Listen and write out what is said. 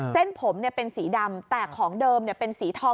เส้นผมเป็นสีดำแต่ของเดิมเป็นสีทอง